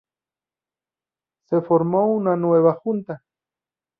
Se formó una nueva junta.